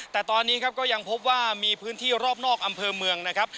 แต่ตอนนี้ครับก็ยังพบว่ามีพื้นที่รอบนอกอำเภอเมืองนะครับ